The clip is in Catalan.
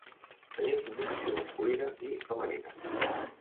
Tenia competició masculina i femenina.